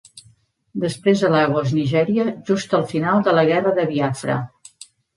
Després a Lagos, Nigeria, just al final de la guerra de Biafra.